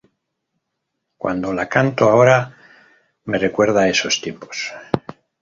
Cuando la canto ahora, me recuerda a esos tiempos".